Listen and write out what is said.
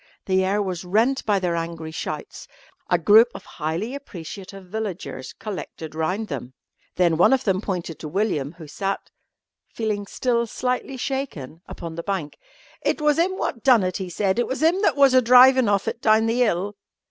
The air was rent by their angry shouts. A group of highly appreciative villagers collected round them. Then one of them pointed to William, who sat, feeling still slightly shaken, upon the bank. "It was 'im wot done it," he said, "it was 'im that was a drivin' of it down the 'ill."